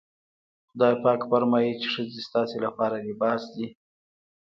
خدای پاک فرمايي چې ښځې ستاسې لپاره لباس دي.